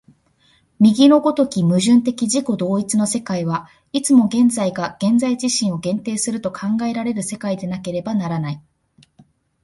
右の如き矛盾的自己同一の世界は、いつも現在が現在自身を限定すると考えられる世界でなければならない。